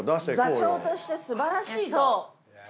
座長として素晴らしい。